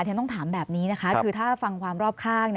ฉันต้องถามแบบนี้นะคะคือถ้าฟังความรอบข้าง